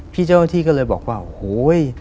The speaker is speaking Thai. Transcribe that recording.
พี่เจ้าหน้าที่ก็เลยบอกว่าโอ้โห